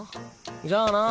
じゃあな。